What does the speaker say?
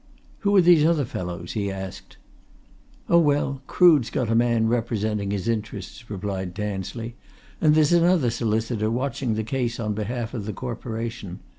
"Who are these other fellows?" he asked. "Oh, well, Crood's got a man representing his interests," replied Tansley. "And there's another solicitor watching the case on behalf of the Corporation.